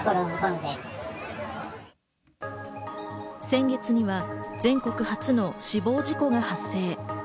先月には全国初の死亡事故が発生。